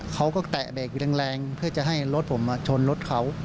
เขาก็แตะเบรกอยู่แรงเพื่อจะให้รถผมชนรถเขา